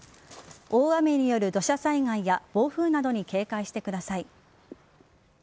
大雨による土砂災害や暴風などに警戒してください。